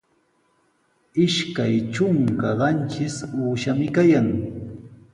Ishkay trunka qanchis uushami kayan.